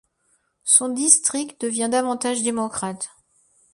Son district devient davantage démocrate.